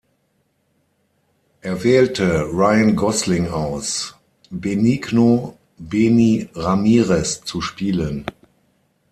Er wählte Ryan Gosling aus, Benigno „Beni“ Ramírez zu spielen.